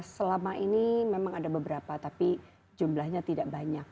selama ini memang ada beberapa tapi jumlahnya tidak banyak